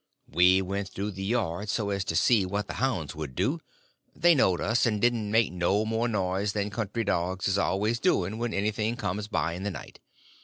We went through the yard so as to see what the hounds would do. They knowed us, and didn't make no more noise than country dogs is always doing when anything comes by in the night.